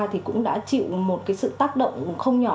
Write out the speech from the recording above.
thì cũng đã chịu một cái sự tác động không nhỏ